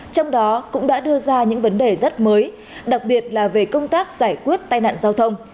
trong đó cũng đã đưa ra những vấn đề rất mới đặc biệt là về công tác giải quyết tai nạn giao thông